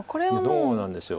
どうなんでしょう。